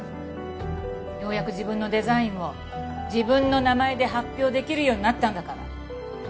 ようやく自分のデザインを自分の名前で発表できるようになったんだから。